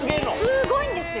すごいんですよ。